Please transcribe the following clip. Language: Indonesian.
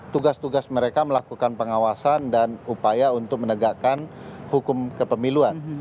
tugas tugas mereka melakukan pengawasan dan upaya untuk menegakkan hukum kepemiluan